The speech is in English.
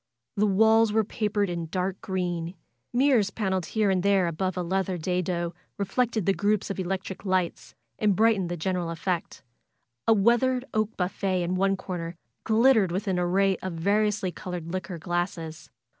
The walls were papered in dark green. Mirrors paneled here and there above a leather dado reflected the groups of electric lights, and brightened the general effect. A weathered oak buffet in one corner glittered with an array of variously col ored liquor glasses.